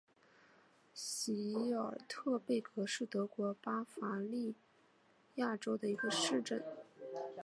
席尔特贝格是德国巴伐利亚州的一个市镇。